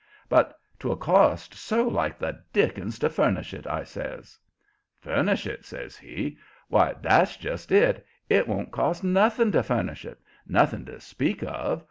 "But 'twill cost so like the dickens to furnish it," I says. "Furnish it!" says he. "Why, that's just it! It won't cost nothing to furnish it nothing to speak of.